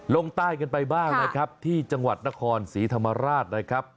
ลงใต้กันไปบ้างนะครับที่จังหวัดนครศรีธรรมราชนะครับ